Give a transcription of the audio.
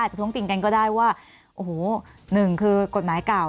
ท้วงติงกันก็ได้ว่าโอ้โหหนึ่งคือกฎหมายเก่า